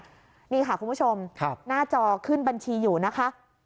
คุณผู้ชมหน้าจอกขึ้นบัญชีอยู่นะคะ